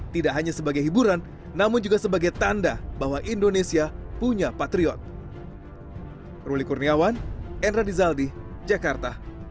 tidak hanya sebagai hiburan namun juga sebagai tanda bahwa indonesia punya patriot